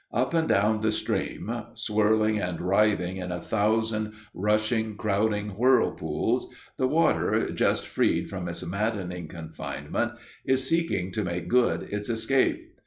Up and down the stream, swirling and writhing in a thousand rushing, crowding whirlpools, the water, just freed from its maddening confinement, is seeking to make good its escape.